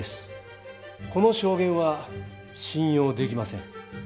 この証言は信用できません。